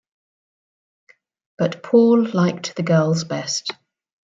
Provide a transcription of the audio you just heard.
But Paul liked the girls best.